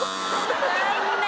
残念！